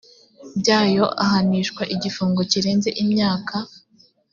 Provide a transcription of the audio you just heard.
byayo ahanishwa igifungo kirenze imyaka